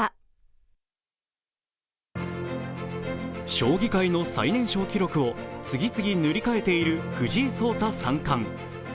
将棋界の最年少記録を次々塗り替えている藤井聡太三冠。